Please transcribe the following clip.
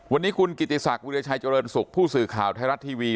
วันนี้คุณกิติศักดิราชัยเจริญสุขผู้สื่อข่าวไทยรัฐทีวี